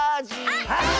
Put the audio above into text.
あっはい！